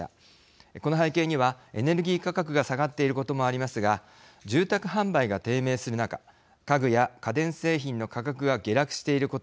この背景にはエネルギー価格が下がっていることもありますが住宅販売が低迷する中家具や家電製品の価格が下落していること